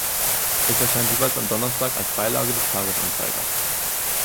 Es erscheint jeweils am Donnerstag als Beilage des Tages-Anzeigers.